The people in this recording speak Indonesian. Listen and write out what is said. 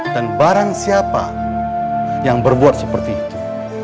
dan barang siapa yang berbuat seperti itu